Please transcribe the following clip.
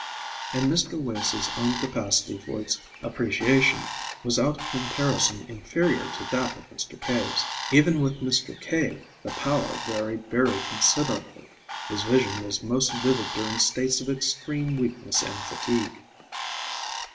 And Mr. Wace's own capacity for its appreciation was out of comparison inferior to that of Mr. Cave's. Even with Mr. Cave the power varied very considerably: his vision was most vivid during states of extreme weakness and fatigue.